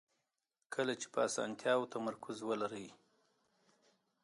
کله چې په اسانتیاوو تمرکز ولرئ.